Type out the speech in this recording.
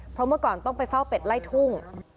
เพราะเมื่อก่อนต้องไปเฝ้าเป็ดไล่ทุ่ง